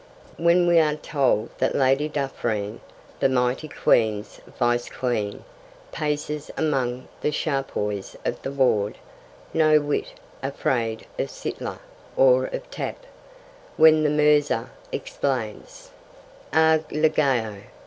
When we are told that 'Lady Duffreen, the mighty Queen's Vice queen,' paces among the charpoys of the ward 'no whit afraid of sitla, or of tap'; when the Mirza explains ag lejao!